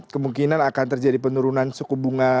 kemungkinan akan terjadi penurunan suku bunga